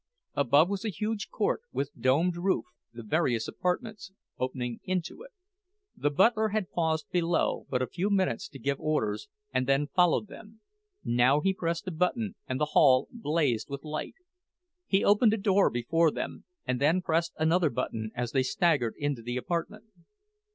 Above was a huge court, with domed roof, the various apartments opening into it. The butler had paused below but a few minutes to give orders, and then followed them; now he pressed a button, and the hall blazed with light. He opened a door before them, and then pressed another button, as they staggered into the apartment.